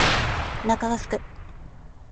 お腹が空く